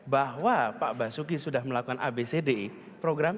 bahwa pak basuki sudah melakukan abcdi program